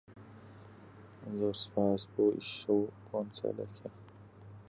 زەواج لەگەڵ ئەو پیاوە مەکە. زوڵمت لێ دەکات.